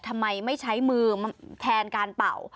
ทำไมไม่ใช้มือแทนการเป่า